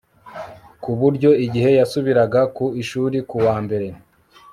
ku buryo igihe yasubiraga ku ishuri kuwa mbere